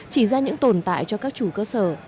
chỉ ra những tồn tại cho các chủ cơ sở